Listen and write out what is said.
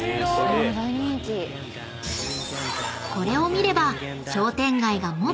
［これを見れば］